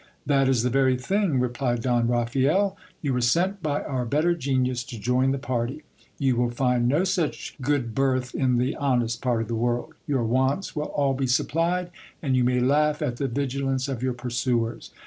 That is the very thing ! replied Don Raphael. You were sent by our better genius to join the party. You will find no such good berth in the honest part of the world. Your wants will all be supplied, and you may laugh at the vigilance of your pursuers.